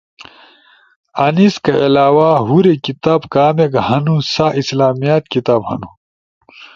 ۔انیس کئی علاوہ ہورے کتاب کامیک ہنو سا اسلامیات کتاب ہنو۔